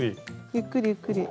ゆっくりゆっくり。